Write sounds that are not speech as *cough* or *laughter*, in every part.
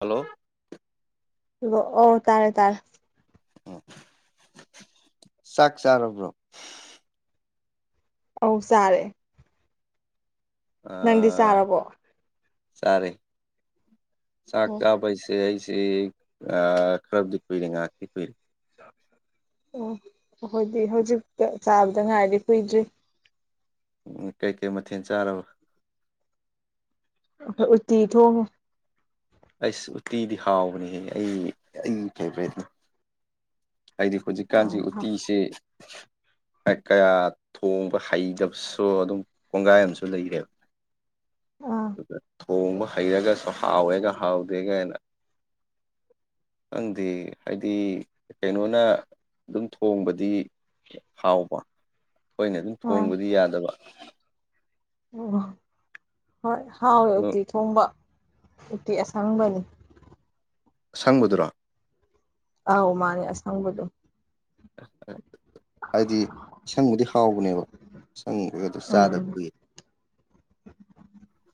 hello ꯑꯣ ꯇꯥꯔꯦ ꯇꯥꯔꯦ ꯎ ꯆꯥꯛ ꯆꯥꯔꯕ꯭ꯔꯣ ꯑꯧ ꯆꯥꯔꯦ ꯅꯪꯗꯤ ꯑ ꯆꯥꯔꯕꯣ ꯆꯥꯔꯦ ꯆꯛ ꯑꯣ ꯆꯥꯕ ꯍꯥꯏꯁꯦ ꯁꯦ ꯑꯩꯁꯦ ꯈꯔꯕꯨꯗꯤ ꯀꯨꯏꯔꯦ ꯉꯥꯏꯍꯥꯛꯇꯤ ꯀꯨꯏꯔꯦ ꯑꯣ ꯑꯩꯈꯣꯏꯗꯤ ꯍꯧꯖꯤꯛꯇ ꯆꯥꯕꯗ ꯉꯥꯏꯔꯤ ꯀꯨꯏꯗ꯭ꯔꯤ ꯀꯩꯀꯩ ꯃꯊꯦꯜ ꯆꯥꯔꯕ ꯑꯈꯣꯏ ꯎꯇꯤ ꯊꯣꯡꯉꯤ ꯑꯩꯁ ꯎꯇꯤꯗꯤ ꯍꯥꯎꯕꯅꯦꯍꯦ ꯑꯩ ꯑꯩ ꯐꯦꯕꯣꯔꯥꯏꯠꯅꯤ ꯍꯥꯏꯗꯤ ꯑꯥ ꯍꯧꯖꯤꯛꯀꯥꯟꯁꯤ ꯎꯇꯤꯁꯦ *inaudible* ꯀꯌꯥ ꯊꯣꯡꯕ ꯍꯩꯇꯕꯁꯨ ꯑꯗꯨꯝ ꯀꯣꯡꯒꯥꯏ ꯑꯃꯁꯨ ꯂꯩꯔꯦꯕ ꯑꯥ ꯑꯗꯨꯗ ꯊꯣꯡꯕ ꯍꯩꯔꯒꯁꯨ ꯍꯥꯎꯋꯦꯒ ꯍꯥꯎꯇꯦꯒꯥꯏꯅ ꯈꯪꯗꯦ ꯑꯩꯗꯤ ꯀꯩꯅꯣꯅ ꯑꯗꯨꯝ ꯊꯣꯡꯕꯗꯤ ꯍꯥꯎꯕ ꯑꯈꯣꯏꯅ ꯑꯗꯨꯝ ꯑꯥ ꯊꯣꯡꯕꯗꯤ ꯌꯥꯗꯕ ꯑꯣ ꯍꯣꯏ ꯍꯥꯎꯋꯦ ꯑꯗꯣ ꯎꯇꯤ ꯊꯣꯡꯕ ꯎꯇꯤ ꯑꯁꯪꯕꯅꯤ ꯁꯪꯕꯗꯨꯔꯣ ꯑꯧ ꯃꯥꯅꯦ ꯑꯁꯪꯕꯗꯣ ꯍꯥꯏꯗꯤ ꯏꯁꯪꯕꯨꯗꯤ ꯍꯥꯎꯕꯅꯦꯕ ꯏꯁꯪꯕꯒꯗꯨ ꯎꯝ ꯆꯥꯗꯕ ꯀꯨꯏꯔꯦ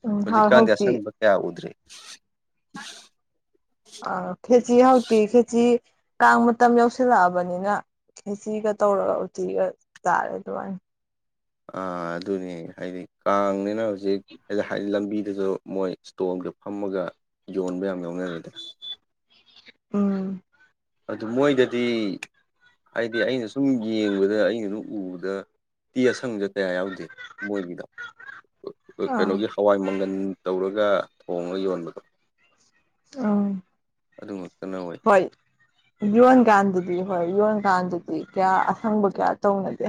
ꯎꯝ ꯍꯥꯎ ꯍꯧꯖꯤꯛꯀꯥꯟꯗꯤ ꯍꯧꯖꯤꯛꯇꯤ ꯑꯁꯪꯕ ꯀꯌꯥ ꯎꯗ꯭ꯔꯤ ꯑ ꯈꯦꯆꯤ ꯍꯧꯇꯤ ꯈꯦꯆꯤ ꯀꯥꯡ ꯃꯇꯝ ꯌꯧꯁꯤꯜꯂꯛꯑꯕꯅꯤꯅ ꯈꯦꯆꯤꯒ ꯇꯧꯔꯒ ꯎꯇꯤꯒ ꯆꯥꯔꯦ ꯑꯗꯨꯃꯥꯏꯅ ꯑ ꯑꯗꯨꯅꯤ ꯍꯥꯏꯗꯤ ꯀꯥꯡꯅꯤꯅ ꯍꯧꯖꯤꯛ ꯍꯥꯏꯗꯤ ꯂꯝꯕꯤꯗꯨꯁꯨ ꯃꯣꯏ ꯇꯣꯜꯗ ꯐꯝꯃꯒ ꯌꯣꯟꯕ ꯌꯥꯝ ꯌꯥꯎꯅꯔꯦꯗ ꯎꯝ ꯑꯗꯨ ꯃꯣꯏꯗꯗꯤ ꯍꯥꯏꯗꯤ ꯑꯩꯅ ꯁꯨꯝ ꯌꯦꯡꯕꯗ ꯑꯩꯅ ꯁꯨꯝ ꯎꯕꯗ ꯎꯇꯤ ꯑꯁꯪꯕꯁꯦ ꯀꯌꯥ ꯌꯥꯎꯗꯦ ꯃꯣꯏꯒꯤꯗ ꯑꯥ ꯀꯩꯅꯣꯒꯤ ꯍꯋꯥꯏ ꯃꯪꯒꯟ ꯇꯧꯔꯒ ꯊꯣꯡꯉ ꯌꯣꯟꯕꯗꯣ ꯎꯝ ꯑꯗꯨ ꯉꯛꯇꯅ ꯑꯣꯏ ꯍꯣꯏ ꯌꯣꯟꯀꯥꯟꯗꯗꯤ ꯍꯣꯏ ꯌꯣꯟꯀꯥꯟꯗꯗꯤ ꯀꯌꯥ ꯑꯁꯪꯕ ꯀꯌꯥ ꯇꯧꯅꯗꯦ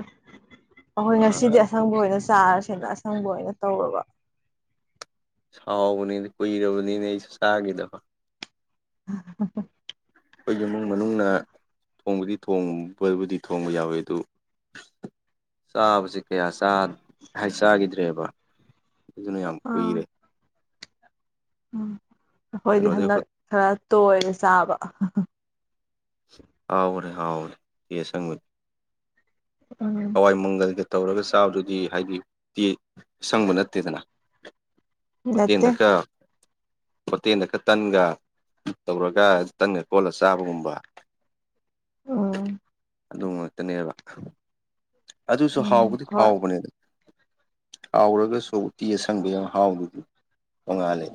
ꯑꯩꯈꯣꯏ ꯉꯁꯤꯗꯤ ꯑꯁꯪꯕ ꯑꯣꯏꯅ ꯆꯥꯔꯁꯦꯅ ꯑꯁꯪꯕ ꯑꯣꯏꯅ ꯇꯧꯔꯕ ꯍꯥꯎꯕꯅꯤꯅꯦ ꯀꯨꯏꯔꯕꯅꯤꯅꯦ ꯑꯩꯁꯨ ꯆꯥꯒꯤꯗꯕ *unintelligible* ꯑꯩꯈꯣꯏꯒꯤ ꯏꯃꯨꯡ ꯃꯅꯨꯡꯅ ꯊꯣꯡꯕꯗꯤ ꯊꯣꯡꯕꯕꯨꯗꯤ ꯊꯣꯡꯕ ꯌꯥꯎꯋꯤ ꯑꯗꯨ ꯆꯥꯕꯁꯦ ꯀꯌꯥ ꯆꯥ ꯍꯥꯏ ꯆꯥꯈꯤꯗ꯭ꯔꯦꯕ ꯑꯗꯨꯅ ꯌꯥꯝ ꯀꯨꯏꯔꯦ ꯑꯥ ꯎꯝ ꯑꯩꯈꯣꯏꯗꯤ ꯀꯩꯅꯣꯗꯩ ꯍꯟꯗꯛ ꯈꯔ ꯇꯣꯏꯔꯦ ꯆꯥꯕ ꯍꯥꯎꯕꯅꯤ ꯍꯥꯎꯕꯅꯤ ꯎꯇꯤ ꯑꯁꯪꯕꯗꯣ ꯎꯝ ꯍꯣꯏ ꯃꯪꯒꯜꯒ ꯇꯧꯔꯒ ꯆꯥꯕꯗꯨꯗꯤ ꯍꯥꯏꯗꯤ ꯎꯇꯤ ꯑꯁꯪꯕ ꯅꯠꯇꯦꯗꯅ ꯅꯠꯇꯦ ꯍꯣꯇꯦꯜꯗꯀ ꯍꯣꯇꯦꯜꯗ ꯀꯥ ꯇꯟꯒꯥ ꯇꯧꯔꯒ ꯇꯟꯒ ꯀꯣꯠꯂꯥ ꯆꯥꯕꯒꯨꯝꯕ ꯎꯝ ꯑꯗꯨ ꯉꯥꯛꯇꯅꯦꯕ ꯑꯗꯨꯁꯨ ꯎꯝ ꯍꯥꯎꯕꯗꯤ ꯍꯣꯏ ꯍꯥꯎꯕꯅꯦꯗꯥ ꯍꯥꯎꯔꯒꯁꯨ ꯎꯇꯤ ꯑꯁꯪꯕꯒꯤ ꯃꯍꯥꯎꯗꯨꯗꯤ ꯇꯣꯡꯉꯥꯜꯂꯤ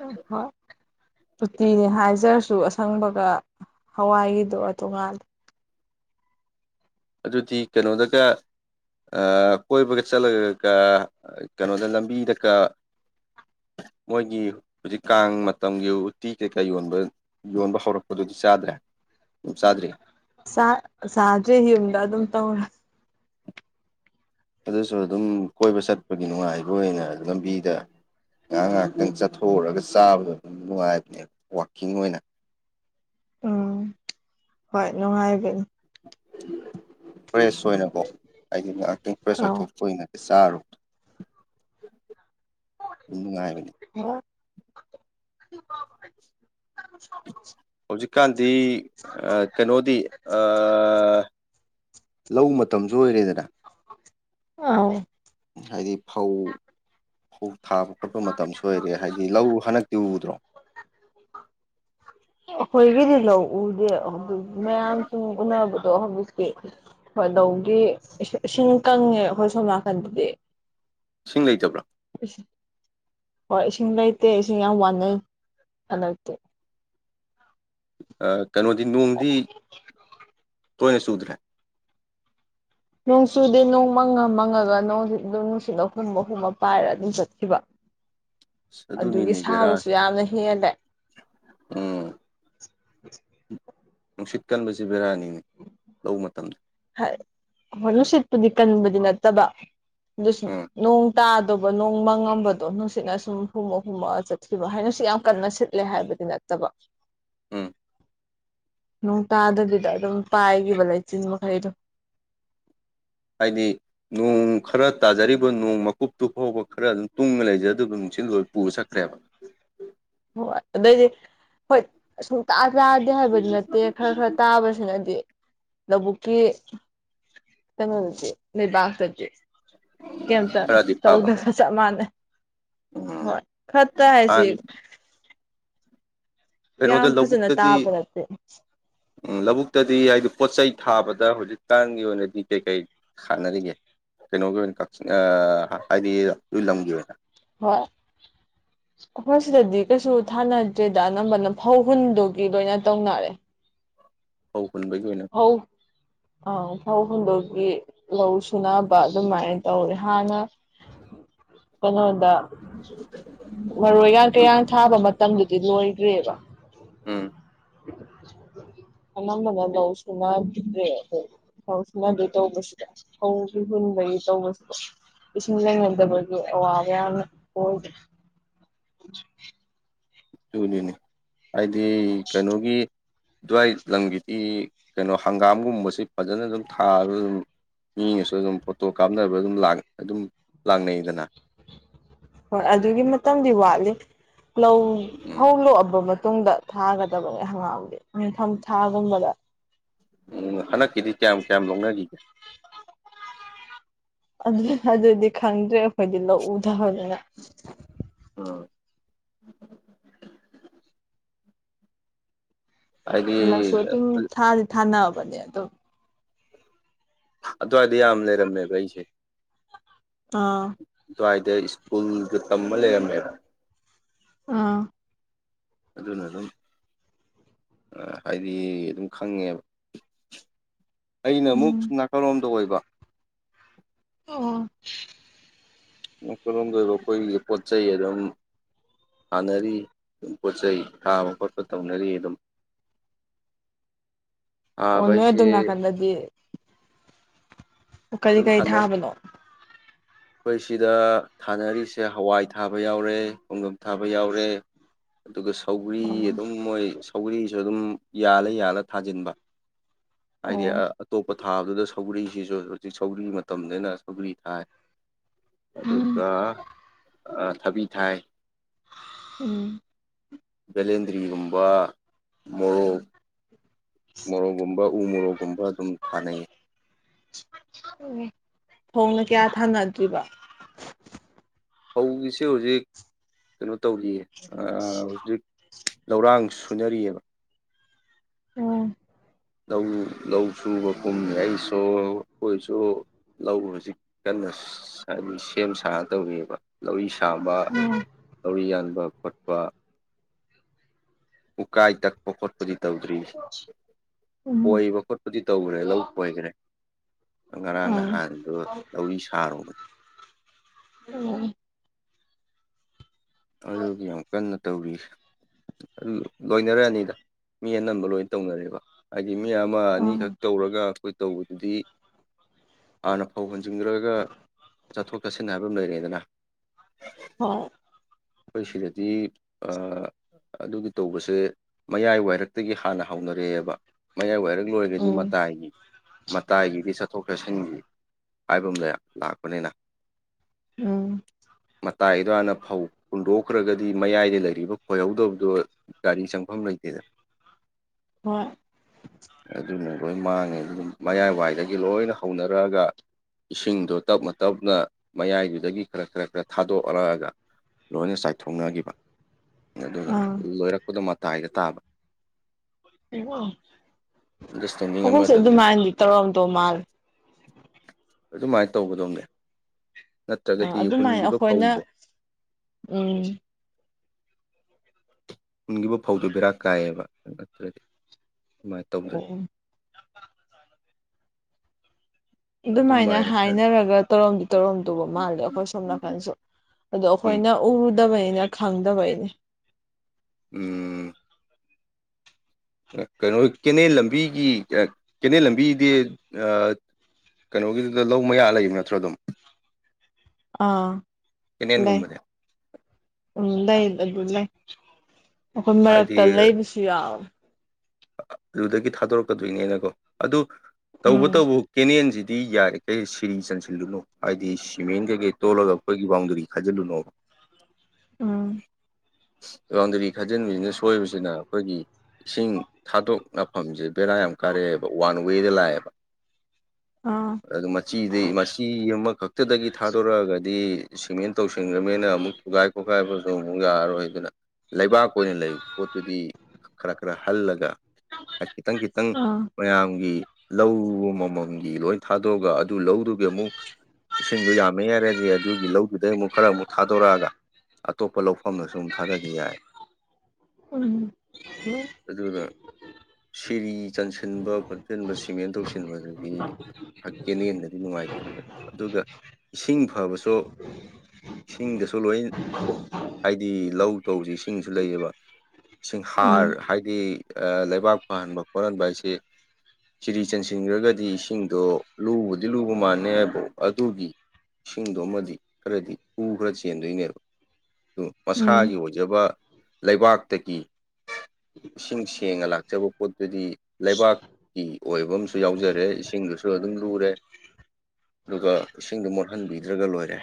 ꯎꯝ ꯍꯣꯢ ꯎꯇꯤꯅꯦ ꯍꯥꯏꯖꯔꯁꯨ ꯑꯁꯪꯕꯒ ꯍꯋꯥꯏꯒꯤꯗꯨꯒ ꯇꯣꯉꯥꯜꯂꯤ ꯑꯗꯨꯗꯤ ꯀꯩꯅꯣꯗꯒ ꯀꯣꯏꯕꯒ ꯆꯠꯂꯒꯒ ꯀꯩꯅꯣꯗ ꯂꯝꯕꯤꯗꯀ ꯃꯣꯏꯒꯤ ꯍꯧꯖꯤꯛ ꯀꯥꯡ ꯃꯇꯝꯒꯤ ꯎꯇꯤ ꯀꯩꯀꯥ ꯌꯣꯟꯕ ꯌꯣꯟꯕ ꯍꯧꯔꯛꯄꯗꯨꯗꯤ ꯆꯥꯗ꯭ꯔꯦ ꯑꯗꯨꯝ ꯆꯥꯗ꯭ꯔꯤ ꯆꯥ ꯆꯥꯗ꯭ꯔꯤ ꯌꯨꯝꯗ ꯑꯗꯨꯝ ꯇꯧꯔꯦ ꯑꯗꯨꯁꯨ ꯑꯗꯨꯝ ꯀꯣꯏꯕ ꯆꯠꯄꯒꯤ ꯅꯨꯡꯉꯥꯏꯕ ꯑꯣꯏꯅ ꯂꯝꯕꯤꯗ ꯉꯥꯏꯍꯥꯛ ꯉꯥꯏꯍꯥꯛꯇꯪ ꯆꯠꯊꯣꯛꯎꯔꯒ ꯆꯥꯕꯗꯣ ꯑꯗꯨꯝ ꯅꯨꯡꯉꯥꯏꯕꯅꯦꯕ ꯋꯥꯛꯀꯤꯡ ꯑꯣꯏꯅ ꯎꯝ ꯍꯣꯏ ꯅꯨꯡꯉꯥꯏꯕꯅꯤ ꯐ꯭ꯔꯦꯁ ꯑꯣꯏꯅꯀꯣ ꯍꯥꯏꯗꯤ ꯉꯥꯏꯍꯥꯛꯀꯤ ꯐ꯭ꯔꯦꯁ ꯑꯣꯏꯊꯣꯛꯄ ꯑꯣꯏꯅ ꯆꯥꯔꯣ ꯗꯨꯝ ꯅꯨꯡꯉꯥꯏꯕꯅꯤ *unintelligible* ꯍꯧꯖꯤꯛꯀꯥꯟꯗꯤ ꯑ ꯀꯩꯅꯣꯗꯤ ꯑꯥ ꯂꯧ ꯃꯇꯝꯖꯨ ꯑꯣꯏꯔꯦꯗꯅ ꯑꯥꯎ ꯍꯥꯏꯗꯤ ꯐꯧ ꯐꯧ ꯊꯥꯕ ꯈꯣꯠꯄ ꯃꯇꯝꯁꯨ ꯑꯣꯏꯔꯦ ꯍꯥꯏꯗꯤ ꯂꯧ ꯍꯟꯗꯛꯇꯤ ꯎꯗ꯭ꯔꯣ ꯑꯈꯣꯏꯒꯤꯗꯤ ꯂꯧ ꯎꯗꯦ ꯑꯗꯨꯕꯨ ꯃꯌꯥꯝ ꯁꯨꯝ ꯎꯅꯕꯗꯣ ꯍꯧꯖꯤꯛꯀꯤ ꯍꯣꯏꯗꯧꯒꯤ ꯏꯁꯤ ꯏꯁꯤꯡ ꯀꯪꯉꯦ ꯑꯩꯈꯣꯏ ꯁꯣꯝ ꯅꯥꯀꯟꯗꯗꯤ ꯏꯁꯤꯡ ꯂꯩꯇꯕ꯭ꯔꯣ ꯍꯣꯏ ꯏꯁꯤꯡ ꯂꯩꯇꯦ ꯏꯁꯤꯡ ꯌꯥꯝ ꯋꯥꯅꯩ ꯍꯟꯗꯛꯇꯤ ꯑ ꯀꯅꯣꯗꯤ ꯅꯣꯡꯗꯤ ꯇꯣꯏꯅ ꯆꯨꯗ꯭ꯔꯦ ꯅꯣꯡ ꯆꯨꯗꯦ ꯅꯣꯡ ꯃꯪꯉ ꯃꯪꯉꯒ ꯅꯣꯡꯖꯤ ꯑꯗꯨꯝ ꯅꯨꯡꯁꯤꯠꯅ ꯍꯨꯝꯃ ꯍꯨꯝꯃ ꯄꯥꯏꯔ ꯑꯗꯨꯝ ꯆꯠꯈꯤꯕ ꯑꯁ ꯑꯗꯨꯒꯤ ꯑꯗꯨꯅꯤꯅꯦ ꯁꯥꯕꯁꯨ ꯕꯦꯔꯥꯁꯦ ꯌꯥꯝꯅ ꯍꯦꯜꯂꯦ ꯎꯝ ꯅꯨꯡꯁꯤꯠ ꯀꯟꯕꯁꯦ ꯕꯦꯔꯥꯅꯤꯅꯦ ꯂꯧ ꯃꯇꯝꯗ ꯍꯥꯏ ꯍꯣꯏ ꯅꯨꯡꯁꯤꯠꯄꯨꯗꯤ ꯀꯟꯕꯗꯤ ꯅꯠꯇꯕ ꯑꯗꯨ ꯁꯨꯝ ꯎꯝ ꯅꯣꯡ ꯇꯥꯗꯧꯕ ꯅꯣꯡꯃꯡꯉꯝꯕꯗꯣ ꯅꯨꯡꯁꯤꯠꯅ ꯁꯨꯝ ꯍꯨꯝꯃ ꯍꯨꯝꯃꯒ ꯆꯠꯈꯤꯕ ꯍꯥꯏꯅꯁꯨꯠ ꯌꯥꯝ ꯀꯟꯅ ꯁꯤꯠꯂꯦ ꯍꯥꯏꯕꯗꯤ ꯅꯠ ꯇꯕ ꯎꯝ ꯅꯣꯡ ꯇꯥꯗꯕꯤꯗ ꯑꯗꯨꯝ ꯄꯥꯏꯒꯤꯕ ꯂꯩꯥꯆꯤꯟ ꯃꯈꯩꯗꯣ ꯍꯥꯏꯗꯤ ꯅꯣꯡ ꯈꯔ ꯇꯥꯖꯔꯤꯕ ꯅꯣꯡ ꯃꯀꯨꯞꯇꯨ ꯐꯧꯕ ꯈꯔ ꯑꯗꯨꯝ ꯇꯨꯡꯒ ꯂꯩꯖꯗꯧꯕ ꯅꯨꯡꯁꯤꯠꯅ ꯂꯣꯏ ꯄꯨꯔꯥ ꯆꯠꯈ꯭ꯔꯦꯕ ꯍꯣꯏ ꯑꯗꯩꯗꯤ ꯍꯣꯏ ꯁꯨꯡꯇꯥ ꯇꯥꯗꯦ ꯍꯥꯏꯕꯗꯤ ꯅꯠꯇꯦ ꯈꯔ ꯈꯔ ꯇꯥꯕꯁꯤꯅꯗꯤ ꯂꯕꯨꯛꯀꯤ ꯀꯩꯅꯣꯗꯗꯤ ꯂꯩꯕꯥꯛꯇꯗꯤ ꯀꯩꯝꯇ ꯈꯔꯗꯤ ꯐꯕ ꯇꯧꯗꯒ ꯆꯞ ꯃꯥꯟꯅꯩ ꯎꯝ ꯍꯣꯏ ꯈ꯭ꯔꯠꯇ ꯍꯥꯏꯁꯤ ꯍꯥꯟꯅ ꯀꯩꯅꯣꯗ ꯌꯥꯝ ꯐꯖꯅ ꯂꯧꯕꯨꯛꯇꯗꯤ ꯇꯥꯕ ꯅꯠꯇꯦ ꯎꯝ ꯂꯕꯨꯛꯇꯗꯤ ꯍꯥꯏꯗꯤ ꯄꯣꯠ ꯆꯩꯩ ꯊꯥꯕꯗ ꯍꯧꯖꯤꯛꯇꯥꯟꯒꯤ ꯑꯣꯏꯅꯗꯤ ꯀꯩꯀꯩ ꯊꯥꯟꯅꯔꯤꯒꯦ ꯀꯩꯅꯣꯒꯤ ꯑꯣꯏꯅ ꯀꯥꯛꯆꯤꯡ ꯑ ꯍꯥꯏꯗꯤ ꯅꯣꯏ ꯂꯝꯒꯤ ꯑꯣꯏꯅ ꯍꯣꯏ ꯑꯈꯣꯏ ꯁꯤꯗꯗꯤ ꯀꯩꯁꯨ ꯊꯥꯅꯗ꯭ꯔꯦꯗ ꯑꯅꯝꯕꯅ ꯐꯧ ꯍꯨꯟꯗꯨꯒꯤ ꯂꯣꯏꯅ ꯇꯧꯅꯔꯦ ꯐꯩ ꯍꯨꯟꯕꯒꯤ ꯑꯣꯏꯅ ꯑꯧ ꯑꯥꯎ ꯐꯧ ꯍꯨꯟꯗꯧꯒꯤ ꯂꯧ ꯁꯨꯅꯕ ꯑꯗꯨꯃꯥꯏ ꯇꯧꯔꯦ ꯍꯥꯟꯅ ꯀꯩꯅꯣ ꯗ ꯃꯔꯣꯏꯒꯥꯡ ꯎꯝ ꯀꯩꯌꯥꯡ ꯊꯥꯕ ꯃꯇꯝꯗꯨꯗꯤ ꯂꯣꯏꯒ꯭ꯔꯦꯕ ꯎꯝ ꯑꯅꯝꯕꯅ ꯂꯧ ꯁꯨꯅꯗ꯭ꯔꯦ ꯑꯈꯣꯏꯒꯤ ꯐꯧ ꯁꯨꯅꯗꯣꯏ ꯇꯧꯕꯁꯤꯗ ꯐꯧꯒꯤ ꯍꯨꯟꯕꯒꯤ ꯇꯧꯕꯁꯤꯗ ꯏꯁꯤꯡ ꯂꯩꯅꯗꯕꯒꯤ ꯑꯋꯥꯕ ꯌꯥꯝꯅ ꯑꯣꯏ ꯑꯗꯨꯅꯤꯅꯦ ꯍꯥꯏꯗꯤ ꯀꯩꯅꯣꯒꯤ ꯑꯗꯨꯋꯥꯏ ꯂꯝꯒꯤꯗꯤ ꯀꯩꯅꯣ ꯍꯪꯒꯥꯝꯒꯨꯝꯕꯁꯤ ꯐꯖꯅ ꯑꯗꯨꯝ ꯊꯥꯕꯗ ꯑꯗꯨꯝ ꯃꯤꯅꯁꯨ ꯑꯗꯨꯝ ꯐꯣꯇꯣ ꯀꯥꯞꯅꯕ ꯑꯗꯨꯝ ꯂꯥꯡ ꯑꯗꯨꯝ ꯂꯥꯛꯅꯩꯗꯅ ꯍꯣꯏ ꯑꯗꯨꯒꯤ ꯃꯇꯝꯗꯤ ꯋꯥꯠꯂꯤ ꯂꯧ ꯎꯝ ꯐꯧ ꯂꯣꯛꯑꯕ ꯃꯇꯨꯡꯗ ꯊꯥꯒꯗꯕꯅꯦ ꯍꯪꯒꯥꯝꯗꯤ ꯅꯤꯡꯊꯝ ꯊꯥ ꯒꯨꯝꯕꯗ ꯎꯝ ꯍꯟꯗꯛꯀꯤꯗꯤ ꯀꯌꯥꯝ ꯀꯌꯥꯝ ꯂꯣꯛꯅꯒꯤꯒꯦ ꯑꯗꯨꯗꯤ ꯑꯗꯨꯗꯤ ꯈꯪꯗ꯭ꯔꯦ ꯑꯈꯣꯏꯗꯤ ꯂꯧ ꯎꯗꯕꯗꯅꯤꯅꯥ ꯑ ꯍꯥꯏꯗꯤ ꯅꯛꯁꯨ ꯑꯗꯨꯝ ꯊꯥꯗꯤ ꯊꯥꯅꯕꯅꯦ ꯑꯗꯨꯝ ꯑꯗꯨꯋꯥꯏꯗ ꯌꯥꯝ ꯂꯩꯔꯝꯃꯦꯕ ꯑꯩꯁ‌ꯦ ꯑꯥ ꯑꯗꯨꯋꯥꯏꯗ ꯁ꯭ꯀꯨꯜꯒꯥ ꯇꯝꯃꯥ ꯂꯩꯔꯝꯃꯦ ꯑꯥ ꯑꯗꯨꯅ ꯑꯗꯨꯝ ꯑ ꯍꯥꯏꯗꯤ ꯑꯗꯨꯝ ꯈꯪꯉꯦꯕ ꯑꯩꯅ ꯑꯃꯨꯛ ꯎꯝ ꯁꯨꯝ ꯅꯥꯀꯜꯂꯣꯝꯗ ꯑꯣꯏꯕ ꯑꯣ ꯑꯩꯈ‌ꯣꯏꯔꯣꯝꯗ ꯑꯣꯏꯕ ꯑꯩꯈꯣꯏꯒꯤ ꯄꯣꯠ ꯆꯩ ꯑꯗꯨꯝ ꯊꯥꯟꯅꯔꯤ ꯄꯣꯠ ꯆꯩꯩ ꯊꯥꯕ ꯈꯣꯠꯄ ꯇꯧꯅꯔꯤ ꯑꯗꯨꯝ ꯑꯣ ꯊꯥꯕ ꯅꯣꯏ ꯍꯥꯏꯁꯦ ꯑꯗꯨꯝ ꯅꯥꯀꯟꯗꯗꯤ ꯀꯔꯤ ꯑꯗꯨꯝ ꯀꯔꯤ ꯊꯥꯅꯩ ꯊꯥꯕꯅꯣ ꯑꯩꯈꯣꯏ ꯁꯤꯗ ꯊꯥꯅꯔꯤꯁꯦ ꯍꯋꯥꯏ ꯊꯥꯕ ꯌꯥꯎꯔꯦ ꯈꯣꯡꯗꯨꯝ ꯊꯥꯕ ꯌꯥꯎꯔꯦ ꯑꯗꯨꯒ ꯁꯧꯒ꯭ꯔꯤ ꯑꯣ ꯑꯗꯨꯝ ꯃꯣꯏ ꯁꯧꯒꯔꯤꯁꯨ ꯑꯗꯨꯝ ꯌꯥꯜꯂ ꯌꯥꯜꯂ ꯊꯥꯖꯤꯟꯕ ꯍꯥꯏꯗꯤ ꯑꯣ ꯑꯇꯣꯞꯄ ꯊꯥꯕꯗꯨꯗ ꯁꯧꯒꯔꯤꯁꯤꯁꯨ ꯍꯧꯖꯤꯛ ꯁꯧꯒ꯭ꯔꯤ ꯃꯇꯝꯅꯤꯅ ꯁꯧꯒꯔꯤ ꯊꯥꯏ ꯎꯝ ꯑꯗꯨꯒ ꯊꯕꯤ ꯊꯥꯏ ꯎꯝ ꯕꯦꯂꯦꯟꯗ꯭ꯔꯤꯒꯨꯝꯕ ꯃꯣꯔꯣꯛ ꯃꯣꯔꯣꯛꯒꯨꯝꯕ ꯎ ꯃꯣꯔꯣꯛꯒꯨꯝꯕ ꯑꯗꯨꯝ ꯊꯥꯅꯩ ꯎ ꯍꯣꯡꯅ ꯀꯌꯥ ꯊꯥꯅꯈꯤꯕ ꯐꯧꯒꯤꯁꯦ ꯍꯧꯖꯤꯛ ꯀꯩꯅꯣ ꯇꯧꯔꯤꯌꯦ ꯑꯥ ꯍꯧꯖꯤꯛ ꯂꯧꯔꯥꯡ ꯁꯨꯅꯔꯤꯌ‌ꯦꯕ ꯎꯝ ꯂꯧ ꯂꯧ ꯁꯨꯕ ꯀꯨꯝꯃꯤ ꯑꯩꯁꯨ ꯑꯩꯈꯣꯏꯁꯨ ꯂꯧ ꯍꯧꯖꯤꯛ ꯀꯟꯅ ꯁ‌ꯦ ꯁꯦꯝ ꯁꯥꯗꯧꯔꯤꯕ ꯂꯧꯔꯤ ꯁꯥꯕ ꯎꯝ ꯂꯧꯔꯤ ꯌꯥꯟꯕ ꯈꯣꯠꯄ ꯎꯀꯥꯏ ꯇꯛꯄ ꯈꯣꯠꯄꯗꯤ ꯇꯧꯗ꯭ꯔꯤ *unintelligible* ꯈꯣꯏꯕ ꯈꯣꯠꯄꯗꯤ ꯇꯧꯈ꯭ꯔ‌ꯦ ꯂꯧ ꯈ‌ꯣꯏꯈ꯭ꯔ‌ꯦ ꯉꯔꯥꯡ ꯑꯥ ꯅꯍꯥꯟꯗꯣ ꯂꯧꯔꯤ ꯁꯥꯔꯨꯕꯟ ꯑꯣ ꯑꯗꯨꯒꯤ ꯌꯥꯝ ꯀꯟꯅ ꯇꯧꯔꯤꯁꯦ ꯑꯗꯨ ꯂꯣꯏꯅꯔꯛꯑꯅꯤꯗ ꯃꯤ ꯑꯅꯝꯕ ꯂꯣꯏꯅ ꯇꯧꯅꯔꯦꯕ ꯍꯥꯏꯗꯤ ꯃꯤ ꯑꯃ ꯑꯥ ꯑꯅꯤꯈꯛ ꯇꯧꯔꯒ ꯑꯩꯈꯣꯏ ꯇꯧꯕꯗꯨꯗꯤ ꯍꯥꯟꯅ ꯐꯧ ꯍꯨꯖꯤꯟꯈ꯭ꯔꯒ ꯆꯠꯊꯣꯛ ꯆꯠꯁꯤꯟ ꯍꯥꯏꯕ ꯑꯃ ꯂꯩꯔ‌ꯦꯗꯅ ꯍꯣꯏ ꯑꯩꯈꯣꯏ ꯁꯤꯗꯗꯤ ꯑꯥ ꯑꯗꯨꯒꯤ ꯇꯧꯕꯁꯦ ꯃꯌꯥꯏ ꯋꯥꯏꯔꯛꯇꯒꯤ ꯍꯥꯟꯅ ꯍꯧꯅꯔꯛꯑꯦꯕ ꯃꯌꯥꯏ ꯋꯥꯏꯔꯛ ꯂꯣꯏꯔꯗꯤ ꯎꯝ ꯃꯇꯥꯏꯒꯤ ꯃꯇꯥꯏꯒꯤꯗꯤ ꯆꯠꯊꯣꯛ ꯆꯠꯁꯤꯟꯒꯤ ꯍꯥꯏꯕ ꯑꯃ ꯂꯩꯌꯦ ꯂꯥꯛꯄꯅꯤꯅ ꯎꯝ ꯃꯇꯥꯏ ꯒꯤꯗꯨ ꯍꯥꯅ ꯐꯧ ꯍꯨꯟꯗꯣꯛꯈ꯭ꯔꯒꯗꯤ ꯃꯌꯥꯏꯗ ꯂꯩꯔꯤꯕ ꯈꯣꯏꯍꯧꯗꯕꯗꯣ ꯒꯥꯔꯤ ꯆꯪꯐꯝ ꯂꯩꯇꯦꯗ ꯍꯣꯏ ꯑꯗꯨꯅ ꯂꯣꯏ ꯃꯥꯡꯉꯦ ꯑꯗꯨꯝ ꯃꯌꯥꯏꯋꯥꯏꯗꯒꯤ ꯂꯣꯏꯅ ꯍꯧꯅꯔꯛꯑꯒ ꯏꯁꯤꯡꯗꯣ ꯇꯞꯅ ꯇꯞꯅ ꯃꯌꯥꯏꯗꯨꯗꯒꯤ ꯈꯔ ꯈꯔ ꯈꯔ ꯊꯥꯗꯣꯛꯔꯛꯑꯒ ꯂꯣꯏꯅ ꯆꯥꯏꯊꯣꯛꯅꯈꯤꯕ ꯑꯗꯨꯒ ꯑꯥ ꯂꯣꯏꯔꯛꯄꯗꯣ ꯃꯇꯥꯏꯗ ꯇꯥꯕ ꯑꯟꯗꯔꯁꯇꯦꯟꯗꯤꯡ ꯑꯈ‌ꯣꯏꯁꯨ ꯑꯃꯗ ꯑꯗꯨꯝ ꯑꯗꯨꯃꯥꯏꯅꯗꯤ ꯇꯧꯔꯝꯗꯧ ꯃꯥꯜꯂꯦ ꯑꯗꯨꯃꯥꯏꯅ ꯇꯧꯒꯗꯧꯅꯦ ꯅꯠꯇ꯭ꯔꯒꯗꯤ ꯑꯗꯨꯃꯥꯏꯅ ꯍꯨꯟꯒꯤꯕ ꯑꯩꯈꯣꯏꯅ ꯐꯧꯗꯣ ꯎꯝ ꯎꯟꯒꯤꯕꯨ ꯐꯧꯗꯨꯣ ꯕꯦꯔꯥ ꯀꯥꯏꯌꯦꯕ ꯑꯗꯨ ꯅꯠꯇ꯭ꯔꯗꯤ ꯑꯗꯨꯃꯥꯏꯅ ꯇꯧꯗꯗꯤ ꯎꯝ ꯑꯗꯨꯃꯥꯏꯅ ꯍꯥꯏꯅꯔꯒ ꯇꯧꯔꯝꯗꯤ ꯇꯧꯔꯝꯗꯕ ꯃꯥꯜꯂꯦ ꯑꯩꯈꯣꯏ ꯁꯣꯝ ꯅꯥꯀꯟꯁꯨ ꯑꯗꯣ ꯎꯝ ꯑꯩꯈꯣꯏꯅ ꯎꯔꯨꯗꯕꯅꯤꯅ ꯈꯪꯗꯕꯩꯅꯤ ꯎꯝ ꯀꯩꯅꯣ ꯀꯦꯅꯦꯜ ꯂꯝꯕꯤꯒꯤ ꯀꯦꯅꯦꯜ ꯂꯝꯕꯤꯒꯤꯗꯤ ꯀꯩꯅꯣꯒꯤꯗꯨꯗ ꯂꯧ ꯃꯌꯥ ꯂꯩꯔꯤꯕꯥ ꯅꯠꯇ꯭ꯔꯣ ꯑꯗꯨꯝ ꯑꯥ ꯂꯩ ꯀꯦꯅꯦꯟꯒꯨꯝꯕꯗꯤ ꯂꯩ ꯑꯗꯨ ꯂꯩ ꯑꯩꯈꯣꯏ ꯍꯥꯏꯗꯤ ꯃꯔꯛꯇ ꯂꯩꯕꯁꯨ ꯌꯥꯎꯋꯦ ꯑꯗꯨꯗꯒꯤ ꯊꯥꯗꯣꯔꯛꯀꯗꯣꯏꯅꯤꯅꯀꯣ ꯑꯗꯨ ꯎꯝ ꯇꯧꯕꯇꯕꯨ ꯀꯦꯅꯦꯜꯁꯤꯗꯤ ꯌꯥꯔꯤ ꯀꯩ ꯁꯤꯔꯤ ꯆꯟꯁꯤꯜꯂꯨꯅꯣ ꯍꯥꯏꯗꯤ ꯁꯤꯃꯦꯟ ꯀꯩꯀꯩ ꯇꯣꯜꯂꯒ ꯑꯩꯈꯣꯏꯒꯤ ꯕꯥꯎꯟꯗꯔꯤ ꯈꯥꯖꯤꯜꯂꯨꯅꯣꯕ ꯎꯝ ꯕꯥꯎꯟꯗꯔꯤ ꯊꯥꯖꯤꯟꯕꯤꯁꯤꯅ ꯁꯣꯏꯕꯁꯤꯅ ꯑꯩꯈꯣꯏꯒꯤ ꯏꯁꯤꯡ ꯊꯥꯗꯣꯛꯅ ꯃꯐꯝꯁꯦ ꯕꯦꯔꯥ ꯌꯥꯝ ꯀꯥꯔꯛꯑꯦꯕ ꯋꯥꯟ ꯋꯦꯗ ꯂꯥꯛꯑꯦꯕ ꯑꯥ ꯑꯗꯨ ꯃꯆꯤꯗꯤ ꯃꯆꯤ ꯑꯃꯈꯛꯇꯗꯒꯤ ꯊꯥꯗꯣꯔꯛꯑꯒꯗꯤ ꯁꯤꯃꯦꯟ ꯇꯧꯁꯤꯟꯈ꯭ꯔꯕꯅꯤꯅ ꯑꯃꯨꯛ ꯊꯨꯒꯥꯏ ꯈꯣꯠꯈꯥꯏꯕꯁꯨ ꯑꯃꯨꯛ ꯌꯥꯔꯔꯣꯏꯗꯅ ꯂꯩꯕꯥꯛ ꯑꯣꯏꯅ ꯂꯩꯕ ꯄꯣꯠꯇꯨꯗꯤ ꯈꯔ ꯈꯔ ꯍꯜꯂꯒ ꯈꯤꯇꯪ ꯈꯤꯇꯪ ꯑꯥ ꯃꯌꯥꯝꯒꯤ ꯂꯧ ꯃꯃꯜꯒꯤ ꯂꯣꯏ ꯊꯥꯗꯣꯛꯑꯒ ꯑꯗꯨ ꯂꯧꯗꯨꯒꯤ ꯑꯃꯨꯛ ꯏꯁꯤꯡꯗꯣ ꯌꯥꯝꯃꯦ ꯍꯥꯏꯔꯗꯤ ꯑꯗꯨꯒꯤ ꯂꯧꯗꯨꯗꯩ ꯑꯃꯨꯛ ꯈꯔ ꯑꯃꯨꯛ ꯊꯥꯗꯣꯔꯛꯑꯒ ꯑꯇꯣꯞꯄ ꯂꯧꯐꯝꯗꯁꯨ ꯑꯃꯝ ꯊꯥꯗꯈꯤ ꯌꯥꯏ ꯎꯝ ꯎꯝ ꯑꯗꯨꯅ ꯁꯔꯤ ꯆꯟꯁꯤꯟꯕ ꯈꯣꯠꯁꯤꯟꯕ ꯁꯤꯃꯦꯟ ꯇꯧꯁꯤꯟꯕꯗꯒꯤ ꯀꯦꯟꯅꯌꯦꯟꯗꯗꯤ ꯅꯨꯡꯉꯥꯏꯇꯕꯅꯦꯕ ꯑꯗꯨꯒ ꯏꯁꯤꯡ ꯐꯕꯁꯨ ꯏꯁꯤꯡꯗꯁꯨ ꯂꯣꯏ ꯍꯥꯏꯗꯤ ꯂꯧ ꯇꯧꯁꯤ ꯁꯤꯡꯁꯨ ꯂꯩꯌꯦꯕ ꯁꯤꯡ ꯍꯥꯔ ꯎꯝ ꯍꯥꯏꯗꯤ ꯂꯩꯕꯥꯛ ꯐꯍꯟꯕ ꯈꯣꯠꯍꯟꯕ ꯍꯥꯏꯁꯤ ꯁꯤꯔꯤ ꯆꯟꯁꯤꯟꯈ꯭ꯔꯒꯗꯤ ꯏꯁꯤꯡꯗꯣ ꯂꯨꯕꯨꯗꯤ ꯂꯨꯕ ꯃꯥꯟꯅꯩ ꯍꯥꯏꯕ ꯑꯗꯨꯒꯤ ꯏꯁꯤꯡꯗꯣ ꯑꯃꯗꯤ ꯈꯔꯗꯤ ꯍꯨ ꯈꯔ ꯆꯦꯟꯗꯣꯏꯅꯦꯕ ꯑꯗꯣ ꯎꯝ ꯃꯁꯥꯒꯤ ꯑꯣꯏꯖꯕ ꯂꯩꯕꯥꯛꯇꯒꯤ ꯏꯁꯤꯡ ꯁꯦꯡꯅ ꯂꯥꯛꯆꯕ ꯄꯣꯠ ꯑꯗꯨꯗꯤ ꯂꯩꯕꯥꯛꯀꯤ ꯑꯣꯏꯕ ꯑꯃꯁꯨ ꯌꯥꯎꯖꯔꯦ ꯏꯁꯤꯡꯗꯨꯁꯨ ꯑꯗꯨꯝ ꯂꯨꯔꯦ ꯑꯗꯨꯒ ꯏꯁꯤꯡꯗꯣ ꯃꯣꯠꯍꯟꯕꯤꯗ꯭ꯔꯒ ꯂꯣꯏꯔꯦ